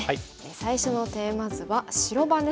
最初のテーマ図は白番ですね。